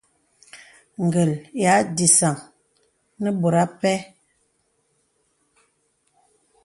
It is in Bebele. Gə̀l ya dìsaŋ nə bòt a pɛ.